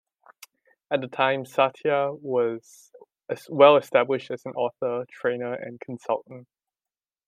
At the time, Satir was well established as an author, trainer and consultant.